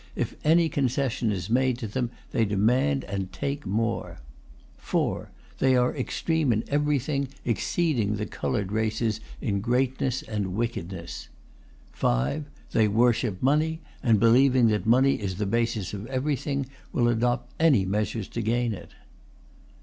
If any concession is made to them they demand and take more. (4) They are extreme in everything, exceeding the coloured races in greatness and wickedness. (5) They worship money, and believing that money is the basis of everything, will adopt any measures to gain it.